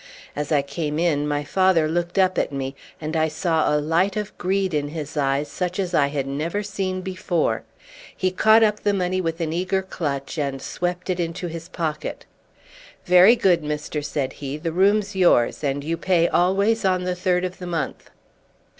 As I came in my father looked up at me, and I saw a light of greed in his eyes such as I had never seen before. He caught up the money with an eager clutch and swept it into his pocket. "Very good, mister," said he; "the room's yours, and you pay always on the third of the month."